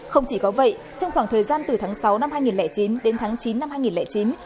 không chỉ có vậy trong khoảng thời gian từ tháng sáu năm hai nghìn chín đến tháng chín năm hai nghìn chín